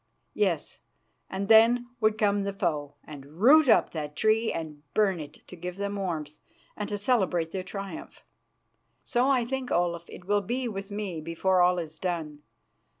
Yes, and then would come the foe and root up that tree and burn it to give them warmth and to celebrate their triumph. So I think, Olaf, it will be with me before all is done.